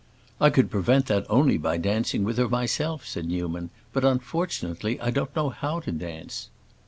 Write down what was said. "I could prevent that only by dancing with her myself," said Newman. "But unfortunately I don't know how to dance."